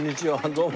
どうも。